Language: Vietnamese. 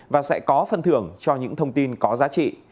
và sẽ có phân thưởng cho những thông tin có giá trị